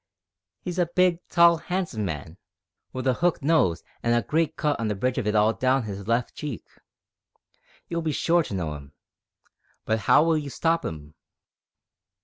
"He's a big, tall, 'andsome man, with a 'ook nose an' a great cut on the bridge of it all down 'is left cheek. You'll be sure to know 'im. But how will you stop 'im?"